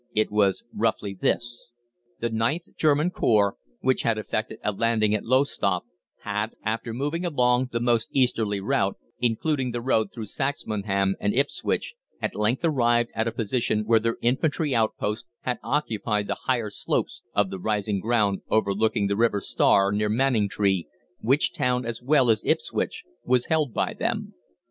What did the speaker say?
It was roughly this: "The IXth German Corps, which had effected a landing at Lowestoft, had, after moving along the most easterly route, including the road through Saxmundham and Ipswich, at length arrived at a position where their infantry outposts had occupied the higher slopes of the rising ground overlooking the river Stour, near Manningtree, which town, as well as Ipswich, was held by them.